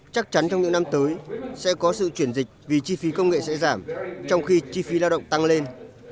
chắc chắn trong những năm tới sẽ có sự chuyển dịch vì chi phí công nghệ sẽ giảm trong khi chi phí lao động tăng lên